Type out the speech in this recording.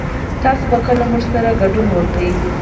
تاسو به کله موږ سره ګډون وکړئ